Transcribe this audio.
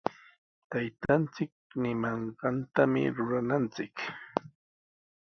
Taytanchik ninqantami rurananchik.